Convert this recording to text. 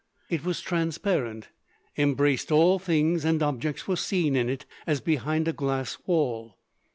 It was transparent, embraced all things, and objects were seen in it as behind a glass wall.